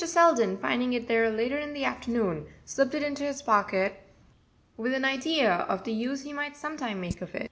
Selden, finding it there later in the afternoon, slipped it into his pocket, with an idea of the use he might some time make of it.